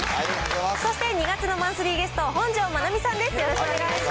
そして２月のマンスリーゲスト、本上まなみさんです。